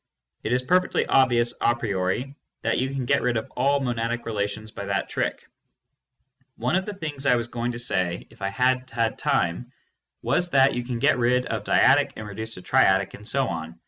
It is perfectly obvious a priori that you can get rid of all monadic relations by that trick. One of the things I was going to say if I had had time was that you can get rid of dyadic and reduce to triadic, and so on.